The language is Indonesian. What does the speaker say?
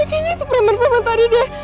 oh kayaknya itu preman preman tadi deh